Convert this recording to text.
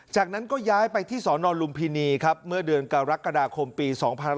จากนั้นก็ย้ายไปที่สนลุมพินีครับเมื่อเดือนกรกฎาคมปี๒๕๖๒